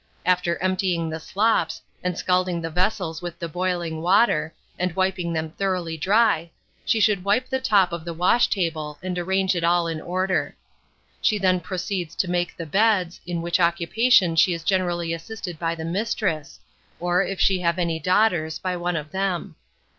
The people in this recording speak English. After emptying the slops, and scalding the vessels with the boiling water, and wiping them thoroughly dry, she should wipe the top of the wash table and arrange it all in order. She then proceeds to make the beds, in which occupation she is generally assisted by the mistress, or, if she have any daughters, by one of them.